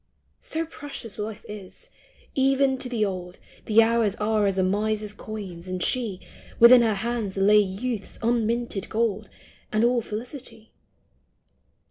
So precious life is ! Even to the old . The hours are as a miser's coins, and she — Within her hands lay youth's unlimited gold And all felicity.